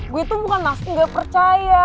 gue tuh bukan langsung gak percaya